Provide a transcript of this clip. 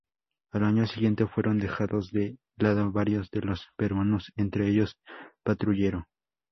Al año siguiente, fueron dejados de lado varios de los peruanos, entre ellos 'Patrullero'.